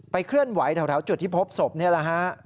เคลื่อนไหวแถวจุดที่พบศพนี่แหละฮะ